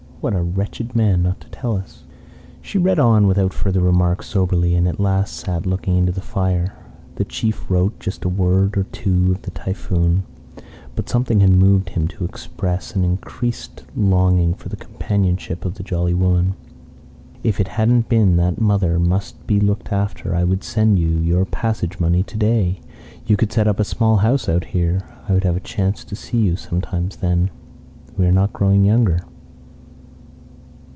What a wretched man not to tell us!" She read on without further remark soberly, and at last sat looking into the fire. The chief wrote just a word or two of the typhoon; but something had moved him to express an increased longing for the companionship of the jolly woman. "If it hadn't been that mother must be looked after, I would send you your passage money to day. You could set up a small house out here. I would have a chance to see you sometimes then. We are not growing younger.